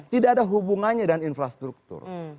tidak ada hubungannya dengan infrastruktur